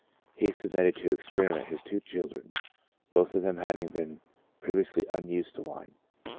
He submitted to experiment his two chil dren, both of them having been previously unused to wine.